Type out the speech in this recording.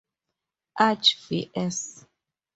Archie vs.